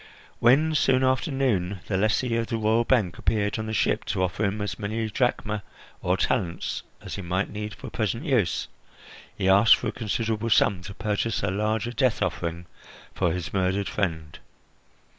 When, soon after noon, the lessee of the royal bank appeared on the ship to offer him as many drachmae or talents as he might need for present use, he asked for a considerable sum to purchase a larger death offering for his murdered friend.